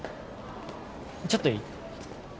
ちょっといい？